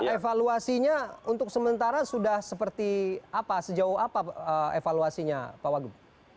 evaluasinya untuk sementara sudah seperti apa sejauh apa evaluasinya pak wagub